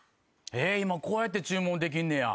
今こうやって注文できんねや。